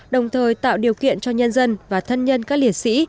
đồng thời tạo điều kiện cho nhân dân và thân nhân các liệt sĩ